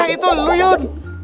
eh itu lu yun